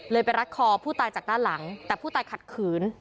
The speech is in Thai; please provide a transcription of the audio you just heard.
ไปรัดคอผู้ตายจากด้านหลังแต่ผู้ตายขัดขืน